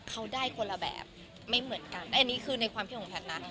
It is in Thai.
เขาได้คนละแบบไม่เหมือนกันอันนี้คือในความคิดของแพทย์นะ